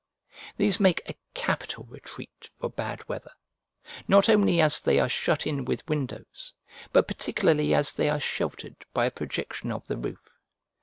These make a capital retreat for bad weather, not only as they are shut in with windows, but particularly as they are sheltered by a projection of the roof.